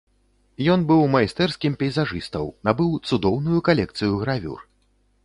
Ён быў майстэрскім пейзажыстаў, набыў цудоўную калекцыю гравюр.